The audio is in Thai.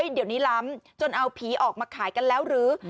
เดี๋ยวนี้ล้ำจนเอาผีออกมาขายกันแล้วหรือ